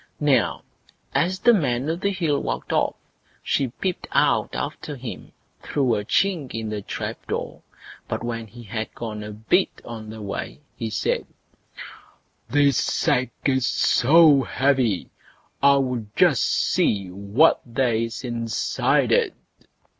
Now, as the Man o' the Hill walked off, she peeped out after him through a chink in the trap door; but when he had gone a bit on the way, he said: "This sack is so heavy, I'll just see what there is inside it."